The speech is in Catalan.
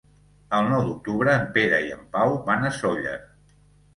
El nou d'octubre en Pere i en Pau van a Sóller.